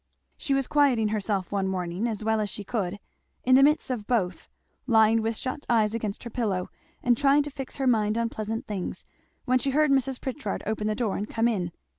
She was quieting herself one morning, as well as she could, in the midst of both, lying with shut eyes against her pillow, and trying to fix her mind on pleasant things, when she heard Mrs. Pritchard open the door and come in.